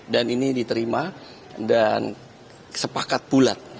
dan ini diterima dan sepakat pulat